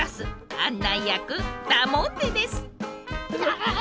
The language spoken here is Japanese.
案内役ダモンデです。